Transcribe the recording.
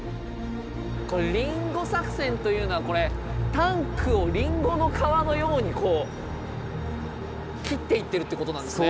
これリンゴ作戦というのはこれタンクをリンゴの皮のようにこう切っていってるってことなんですね。